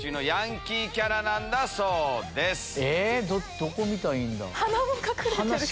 どこ見たらいいんだ？